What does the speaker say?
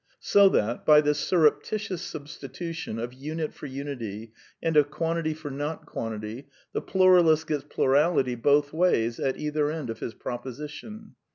So that, by this sur reptitious substitution of unit for unity, and of quantity for not quantity, the pluralist gets plurality both ways, at either end of his proposition.